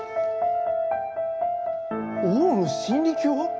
オウム真理教？